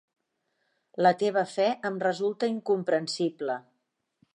La teva fe em resulta incomprensible.